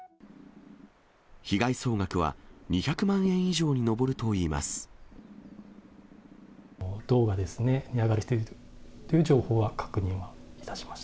被害総額は２００万円以上に上るといいます。